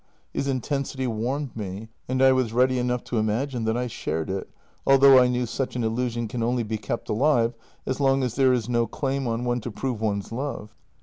His intensity warmed me, and I was ready enough to imagine that I shared it, although I knew such an illusion can only be kept alive as long as there is no claim on one to prove one's love.